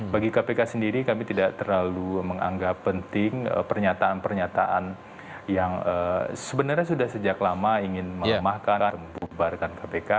bagi kpk sendiri kami tidak terlalu menganggap penting pernyataan pernyataan yang sebenarnya sudah sejak lama ingin melemahkan membubarkan kpk